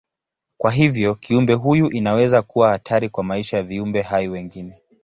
Kwa hivyo kiumbe huyu inaweza kuwa hatari kwa maisha ya viumbe hai wengine.